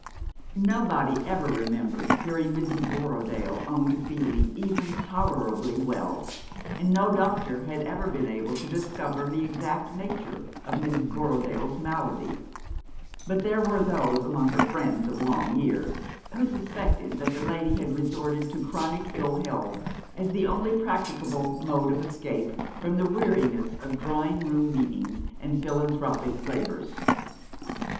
Nobody ever remembered hearing Mrs. Borro daile own to feeling even tolerably well, and no doctor had ever been able to discover the exact nature of Mrs. Borrodaile's malady ; but there were those among her friends of long years who suspected that the lady had resorted to chronic ill health as the only practicable mode of escape from the weariness of drawing room meetings and philanthropic labours.